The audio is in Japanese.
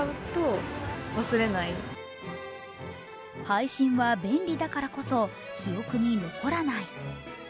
配信は便利だからこそ、記憶に残らない。